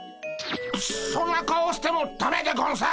そんな顔をしてもだめでゴンス。